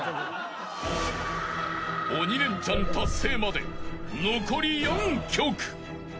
［鬼レンチャン達成まで残り４曲］